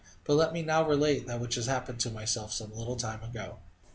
But let me now relate that which happened to myself some little time ago.